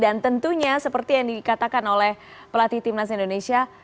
dan tentunya seperti yang dikatakan oleh pelatih timnas indonesia